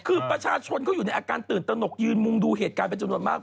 คือประชาชนเขาอยู่ในอาการตื่นตนกยืนมุงดูเหตุการณ์เป็นจำนวนมาก